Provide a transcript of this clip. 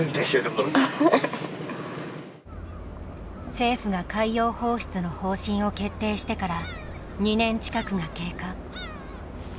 政府が海洋放出の方針を決定してから２年近くが経過。